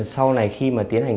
sau này khi mà tiến hành